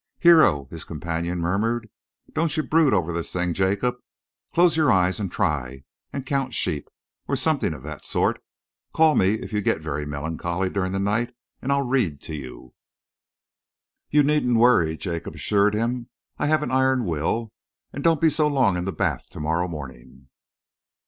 "Hero!" his companion murmured. "Don't you brood over this thing, Jacob. Close your eyes and try and count sheep, or something of that sort. Call me in if you get very melancholy during the night, and I'll read to you." "You needn't worry," Jacob assured him. "I have an iron will. And don't be so long in the bath to morrow morning."